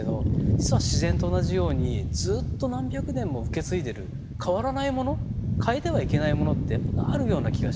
実は自然と同じようにずっと何百年も受け継いでる変わらないもの変えてはいけないものってあるような気がして。